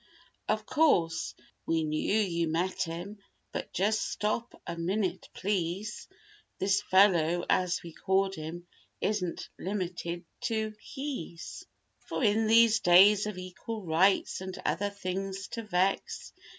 Of course. We knew you met him—but just stop a minute please— This "fellow" as we called him isn't limited to he's," For in these days of "equal rights," and other things to vex.